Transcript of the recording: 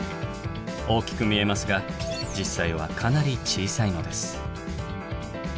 大きく見えますが実際はかなり小さいのです。